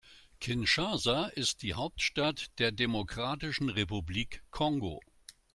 Kinshasa ist die Hauptstadt der Demokratischen Republik Kongo.